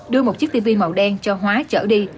đưa một chiếc tv màu đen cho hóa chở đi